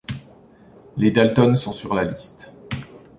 Les Dalton sont sur la liste.